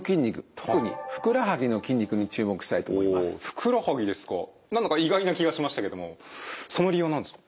ふくらはぎですか何だか意外な気がしましたけどもその理由は何ですか？